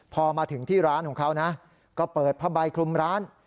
พอมาถึงที่ร้านของเขานะก็เปิดผ้าใบคลุมร้าน